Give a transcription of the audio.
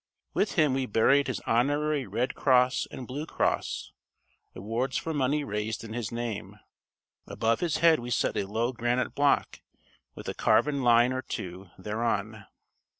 With him we buried his honorary Red Cross and Blue Cross awards for money raised in his name. Above his head we set a low granite block, with a carven line or two thereon.